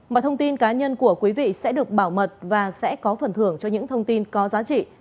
mọi thông tin cá nhân của quý vị sẽ được bảo mật và sẽ có phần thưởng cho những thông tin có giá trị